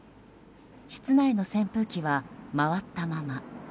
室内の扇風機は回ったまま。